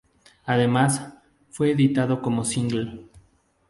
Además, fue editado como single.